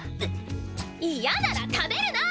嫌なら食べるな！